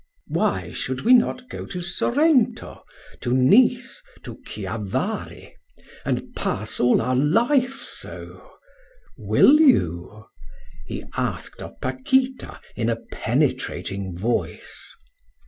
"Why should we not go to Sorrento, to Nice, to Chiavari, and pass all our life so? Will you?" he asked of Paquita, in a penetrating voice.